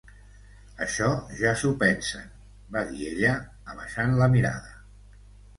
Això ja s'ho pensen —va dir ella, abaixant la mirada.